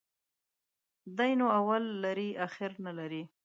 دى نو اول لري ، اخير نلري.